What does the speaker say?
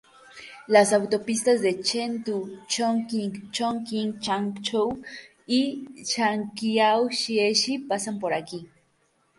Las autopistas de Chengdu-Chongqing, Chongqing-Changshou y Shangqiao-Jieshi pasan por aquí.